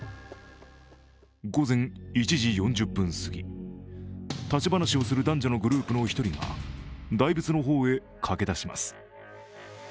午前１時４０分すぎ、立ち話をする男女のグループの１人が大仏の方へ駆け出します。